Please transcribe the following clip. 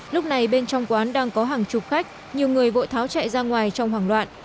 lúc này bên trong quán đang có hàng chục khách nhiều người vội tháo chạy ra ngoài trong hoảng loạn